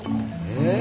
えっ？